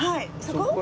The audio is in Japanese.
そこ？